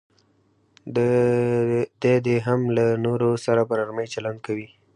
دی دې هم له نورو سره په نرمي چلند کوي.